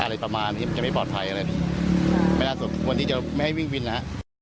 อะไรประมาณที่จะไม่ปลอดภัยไม่น่าส่งคนที่จะไม่ให้วิ่งวินนะ